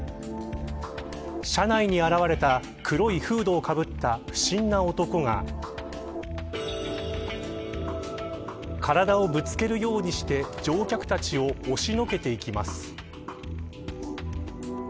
車内に現れた黒いフードをかぶった不審な男が体をぶつけるようにして乗客たちを押しのけていきます。